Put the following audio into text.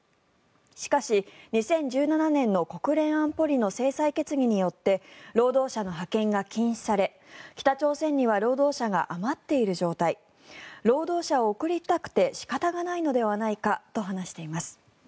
しかし、２０１７年の国連安保理の制裁決議によって労働者の派遣が禁止され北朝鮮には労働者が余っている状態労働者を送りたくて仕方がないのではと話しています。